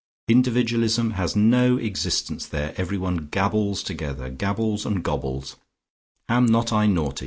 Individualism has no existence there; everyone gabbles together, gabbles and gobbles: am not I naughty?